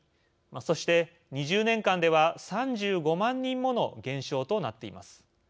そして、２０年間では３５万人もの減少となっています。